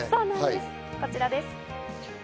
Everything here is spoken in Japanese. こちらです。